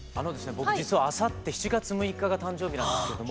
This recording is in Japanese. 僕実はあさって７月６日が誕生日なんですけれども。